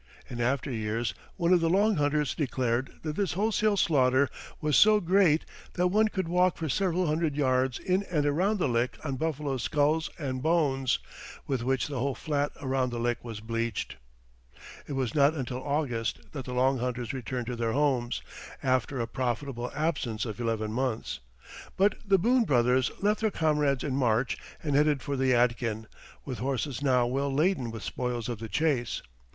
In after years one of the Long Hunters declared that this wholesale slaughter was so great "that one could walk for several hundred yards in and around the lick on buffaloes' skulls and bones, with which the whole flat around the lick was bleached." It was not until August that the Long Hunters returned to their homes, after a profitable absence of eleven months. But the Boone brothers left their comrades in March and headed for the Yadkin, with horses now well laden with spoils of the chase.